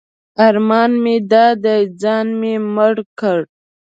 ارمان مې دا دی ځان مې مړ کړ.